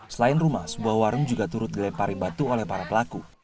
selain rumah sebuah warung juga turut dilempari batu oleh para pelaku